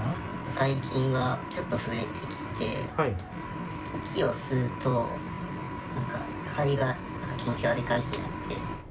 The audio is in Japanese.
最近はちょっと増えてきて、息を吸うと、なんか肺が気持ち悪い感じになって。